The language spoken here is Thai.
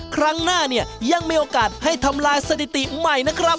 ครั้งหน้าเนี่ยยังมีโอกาสให้ทำลายสถิติใหม่นะครับ